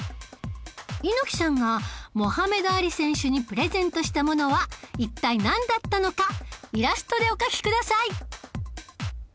猪木さんがモハメド・アリ選手にプレゼントしたものは一体なんだったのかイラストでお描きください